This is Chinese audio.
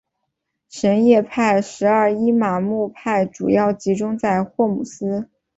什叶派十二伊玛目派主要集中在霍姆斯。